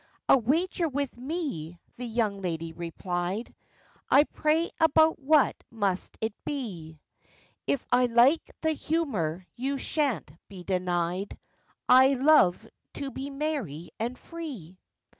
'A wager with me,' the young lady replied, 'I pray about what must it be? If I like the humour you shan't be denied, I love to be merry and free.